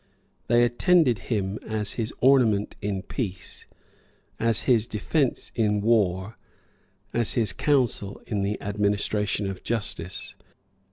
They attended him as his ornament in peace, as his defence in war, as his council in the administration of justice.